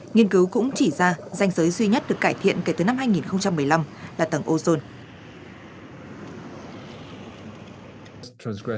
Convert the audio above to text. nghiên cứu cũng chỉ ra danh giới duy nhất được cải thiện kể từ năm hai nghìn một mươi năm là tầng ozone